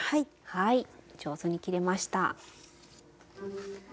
はい上手に切れました。